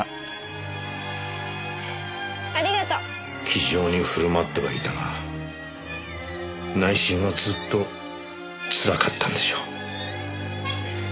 気丈に振る舞ってはいたが内心はずっとつらかったんでしょう。